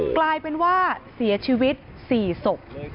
กลายเป็นว่าเสียชีวิต๔ศพ